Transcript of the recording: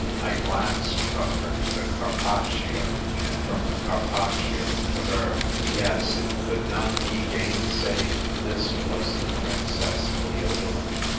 I glanced from her to the Carpaccio, and from the Carpaccio to her. Yes, it could not be gainsaid — this was the Princess Cleodolind.